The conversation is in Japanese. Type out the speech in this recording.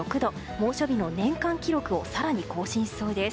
猛暑日の年間記録を更に更新しそうです。